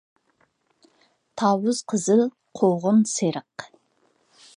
تاۋۇز قىزىل قوغۇن سېرىق